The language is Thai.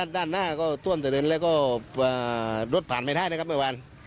ด้านหน้าก็ท่วมถนนแล้วก็รถผ่านไม่ได้นะครับเมื่อวาน